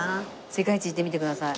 世界一いってみてください。